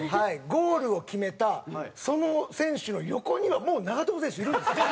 ゴールを決めたその選手の横にはもう長友選手いるんですよ。